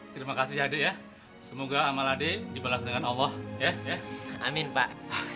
terima kasih adek ya semoga amal adek dibalas dengan allah ya amin pak